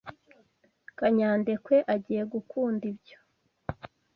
Kanyandekwe agiye gukunda ibyo.